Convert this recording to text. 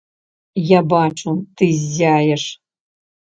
Я бачу, ты ззяеш.